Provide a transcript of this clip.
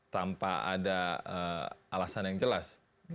tanpa ada alasan yang jelas